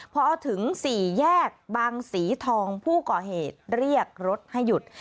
พอถึงสี่แยกบางสีทองผู้ก่อเหตุเรียกรถให้หยุด